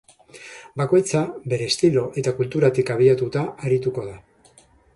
Bakoitza bere estilo eta kulturatik abiatuta arituko da.